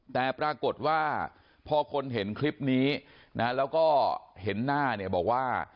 แต่ปรากฏว่าพอคนเห็นคลิปนี้นะแล้วก็เห็นหน้าเนี่ยบอกว่า